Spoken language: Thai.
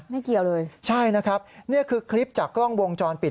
เกี่ยวเลยใช่นะครับนี่คือคลิปจากกล้องวงจรปิด